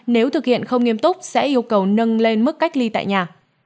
nếu thực hiện không nghiêm túc sẽ yêu cầu nâng lên mức cách ly tại nhà